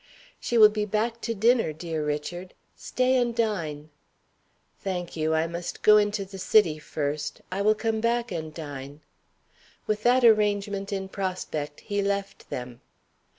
"She will be back to dinner, dear Richard. Stay and dine." "Thank you. I must go into the City first. I will come back and dine." With that arrangement in prospect, he left them.